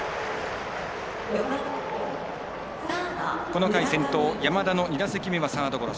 この回先頭、山田の２打席目はサードゴロ。